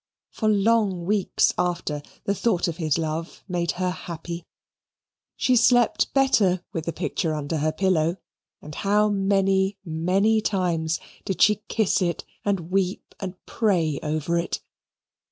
For long weeks after, the thought of his love made her happy. She slept better with the picture under her pillow, and how many many times did she kiss it and weep and pray over it!